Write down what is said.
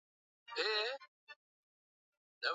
Shuleni kunachosha sana.